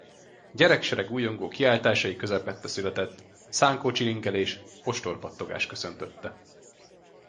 Gyereksereg ujjongó kiáltásai közepette született, szánkócsilingelés, ostorpattogás köszöntötte.